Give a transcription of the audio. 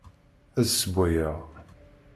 Ad sewwayeɣ.